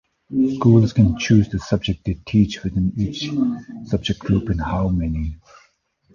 Schools can choose the subjects they teach within each subject group and how many.